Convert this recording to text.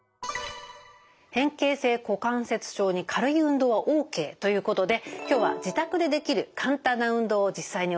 変形性股関節症に軽い運動はＯＫということで今日は自宅でできる簡単な運動を実際に教えていただきます。